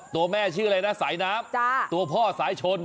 ตัวแม่ชื่ออะไรนะสายน้ำตัวพ่อสายชน